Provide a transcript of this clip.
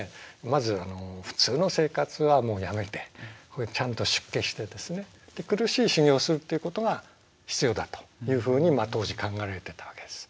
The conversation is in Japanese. まず普通の生活はもうやめてちゃんと出家してですね苦しい修行をするっていうことが必要だというふうに当時考えられていたわけです。